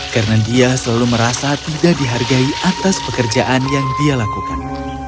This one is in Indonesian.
karena dia selalu merasa tidak dihargai atas pekerjaan yang dia lakukan